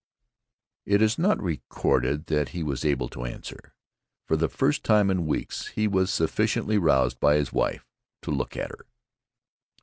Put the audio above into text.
It is not recorded that he was able to answer. For the first time in weeks he was sufficiently roused by his wife to look at her.